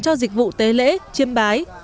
cho dịch vụ tế lễ chiêm bái